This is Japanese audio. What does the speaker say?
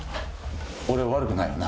俺悪くないよな？